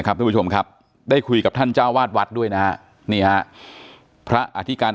ทุกผู้ชมครับได้คุยกับท่านเจ้าวาดวัดด้วยนะฮะนี่ฮะพระอธิการ